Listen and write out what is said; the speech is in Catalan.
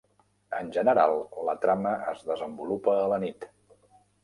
En general, la trama es desenvolupa a la nit.